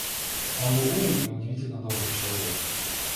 Он был умный и удивительно добрый человек.